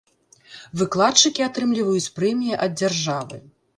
Выкладчыкі атрымліваюць прэміі ад дзяржавы.